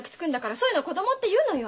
そういうの子供って言うのよ。